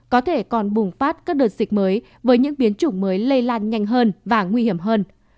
có thể còn bùng phát các đợt dịch mới với những biến chủng mới lây lan nhanh hơn và nguy hiểm hơn